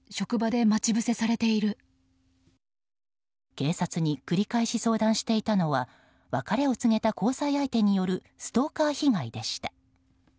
警察に繰り返し相談していたのは別れを告げた交際相手によるストーカー被害でした。